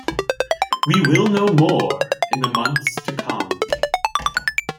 We will know more in the months to come.